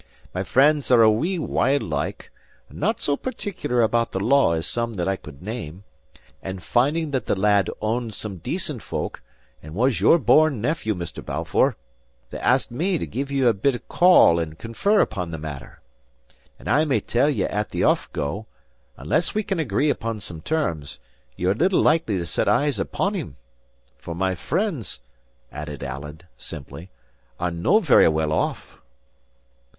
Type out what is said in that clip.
My friends are a wee wild like, and not so particular about the law as some that I could name; and finding that the lad owned some decent folk, and was your born nephew, Mr. Balfour, they asked me to give ye a bit call and confer upon the matter. And I may tell ye at the off go, unless we can agree upon some terms, ye are little likely to set eyes upon him. For my friends," added Alan, simply, "are no very well off."